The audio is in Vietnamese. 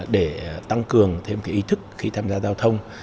để tăng cường thêm ý thức khi tham gia giao thông